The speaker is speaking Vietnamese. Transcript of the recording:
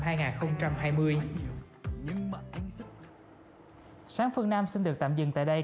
chương trình an ninh ngày mới xin được tạm dừng tại đây